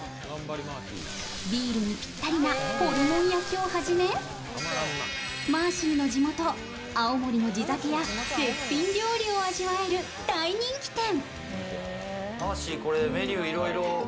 ビールにぴったりな、ホルモン焼きをはじめマーシーの地元・青森の地酒や絶品料理を味わえる大人気店。